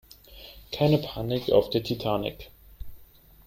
Keine Panik auf der Titanic